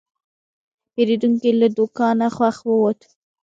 پیرودونکی له دوکانه خوښ ووت.